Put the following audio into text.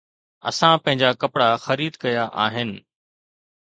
اسان پنهنجا ڪپڙا خريد ڪيا آهن